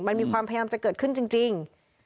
มันมีความพยายามจะเกิดขึ้นจริง